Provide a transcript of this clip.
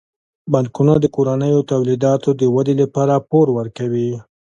بانکونه د کورنیو تولیداتو د ودې لپاره پور ورکوي.